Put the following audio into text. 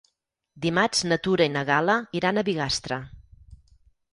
Dimarts na Tura i na Gal·la iran a Bigastre.